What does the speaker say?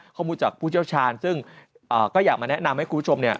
ข้อมูลจากผู้เชี่ยวชาญซึ่งก็อยากมาแนะนำให้คุณผู้ชมเนี่ย